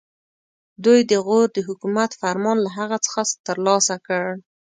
دوی د غور د حکومت فرمان له هغه څخه ترلاسه کړ.